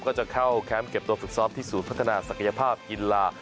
ก็จะเข้าแคมป์เก็บตัวฝึกซ้อมที่ศูนย์พัฒนาศักยภาพกีฬา